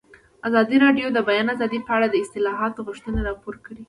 ازادي راډیو د د بیان آزادي په اړه د اصلاحاتو غوښتنې راپور کړې.